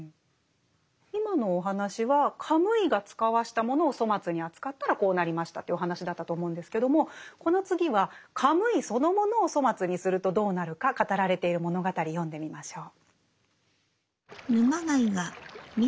今のお話はカムイが遣わしたものを粗末に扱ったらこうなりましたというお話だったと思うんですけどもこの次はカムイそのものを粗末にするとどうなるか語られている物語読んでみましょう。